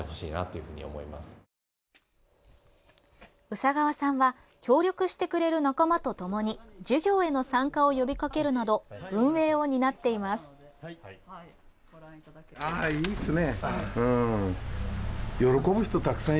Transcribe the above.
宇佐川さんは協力してくれる仲間とともに授業への参加を呼びかけるなど運営を担っています。